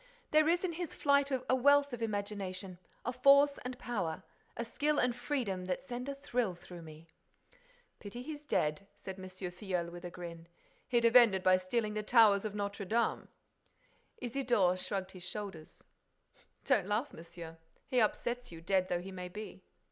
There is in his flight a wealth of imagination, a force and power, a skill and freedom that send a thrill through me!" "Pity he's dead," said M. Filleul, with a grin. "He'd have ended by stealing the towers of Notre Dame." Isidore shrugged his shoulders: "Don't laugh, monsieur. He upsets you, dead though he may be."